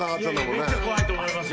めっちゃ怖いと思いますよ